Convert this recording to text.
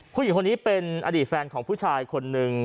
ผู้หญิงคนนี้เป็นอดีตแฟนของผู้ชายคนหนึ่ง